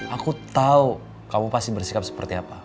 aku tahu kamu pasti bersikap seperti apa